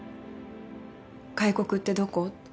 外国ってどこ？